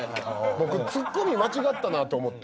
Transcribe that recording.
僕ツッコミ間違ったなと思って。